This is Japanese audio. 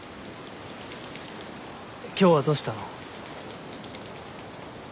今日はどうしたの？